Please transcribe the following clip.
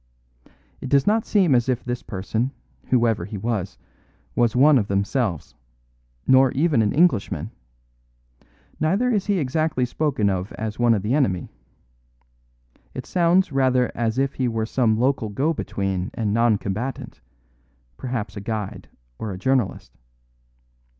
It does not seem as if this person, whoever he was, was one of themselves, nor even an Englishman; neither is he exactly spoken of as one of the enemy. It sounds rather as if he were some local go between and non combatant; perhaps a guide or a journalist.